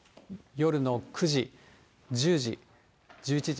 夜の９時、１０時、１１時。